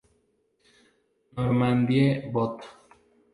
Normandie, Bot.